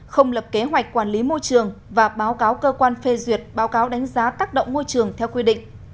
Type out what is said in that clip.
không lập kế hoạch quản lý môi trường và báo cáo cơ quan phê duyệt báo cáo đánh giá tác động môi trường theo quy định